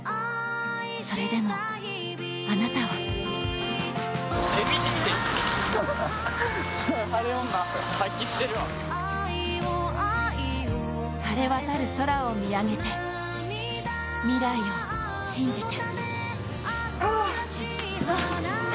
それでも、あなたは晴れ渡る空を見上げて未来を信じて。